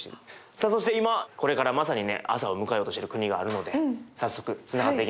さあそして今これからまさにね朝を迎えようとしている国があるので早速つながっていきましょう。